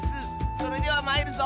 それではまいるぞ！